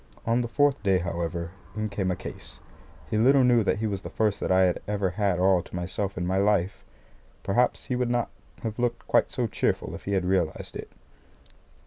On the fourth day, however, in came a case. He little knew that he was the first that I had ever had all to myself in my life. Perhaps he would not have looked quite so cheerful if he had realised it.